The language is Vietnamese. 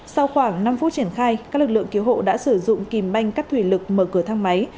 sau khoảng năm phút triển khai các lực lượng cứu hộ đã sử dụng kìm banh cắt thủy lực mở cửa thang máy